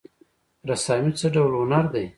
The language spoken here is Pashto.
رسامي څه ډول هنر دی؟